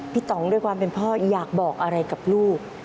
ต่องด้วยความเป็นพ่ออยากบอกอะไรกับลูก